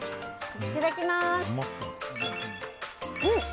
いただきます。